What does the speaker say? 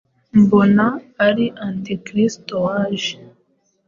mbona ari ant kristo waje